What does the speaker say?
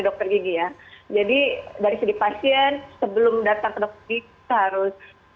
dokter gigi ya jadi dari segi pasien sebelum datang ke dokter gigi ya jadi dari segi pasien